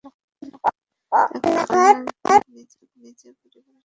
এখন আমার পালা নিজের পরিবারের সাথে দেখা করার।